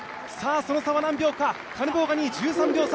その差は何秒か、カネボウが２位、１３秒差。